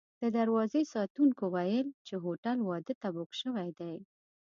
د دروازې ساتونکو ویل چې هوټل واده ته بوک شوی دی.